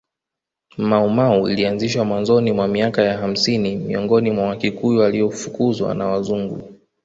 Mau Mau ilianzishwa mwanzoni mwa miaka ya hamsini miongoni mwa Wakikuyu waliofukuzwa na Wazungu